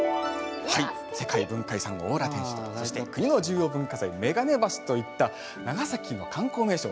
世界文化遺産の大浦天主堂国の重要文化財の眼鏡橋といった長崎の観光名所